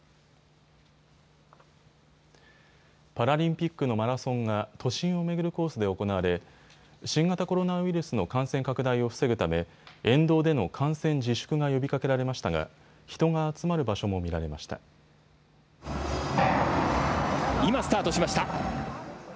パラリンピックのマラソンが都心を巡るコースで行われ新型コロナウイルスの感染拡大を防ぐため沿道での観戦自粛が呼びかけられましたが人が集まる場所も見られました。